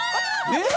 えっ！